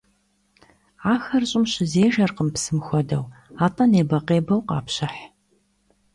Ахэр щӀым щызежэркъым, псым хуэдэу, атӀэ небэкъебэу къапщыхь.